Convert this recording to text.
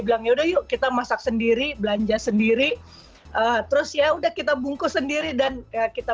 bilang yaudah yuk kita masak sendiri belanja sendiri terus ya udah kita bungkus sendiri dan kita